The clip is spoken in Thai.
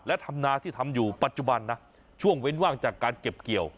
และทำนาที่ทำอยู่ปัจจุบันนะช่วงเว้นว่างจากการเก็บเกี่ยว